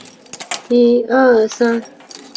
他的玄孙赵昀是宋理宗。